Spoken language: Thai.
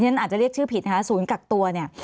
ฉันอาจจะเรียกชื่อผิดนะคะศูนย์กักตัวเนี่ย